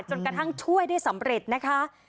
จนกระทั่งช่วยได้สำเร็จนะคะ